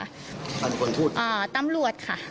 พันคนพูดค่ะอ่าตำรวจค่ะ